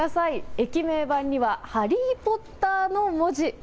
駅名板にはハリー・ポッターの文字。